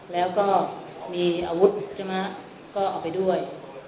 แล้วก็มีอาวุธใช่ไหมก็เอาไปด้วย